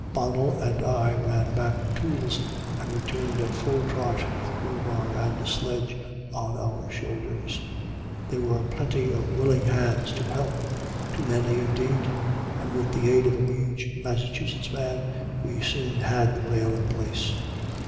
Bonnell and I ran back for tools, and returned at full trot with crowbar and sledge on our shoulders. There were plenty of willing hands to help, too many, indeed, and with the aid of a huge Massachusetts man we soon had the rail in place.